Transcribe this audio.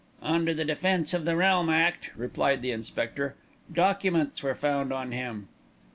"Under the Defence of the Realm Act," replied the inspector. "Documents were found on him."